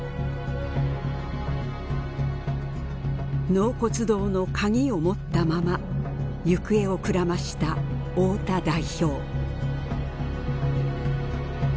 納骨堂の鍵を持ったまま行方をくらました太田代表。